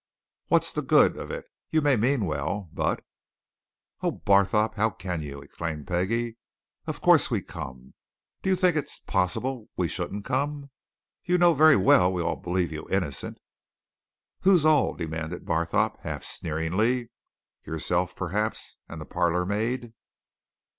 "What's the good of it? You may mean well, but " "Oh, Barthorpe, how can you!" exclaimed Peggie. "Of course we've come! Do you think it possible we shouldn't come? You know very well we all believe you innocent." "Who's all?" demanded Barthorpe, half sneeringly. "Yourself, perhaps, and the parlour maid!"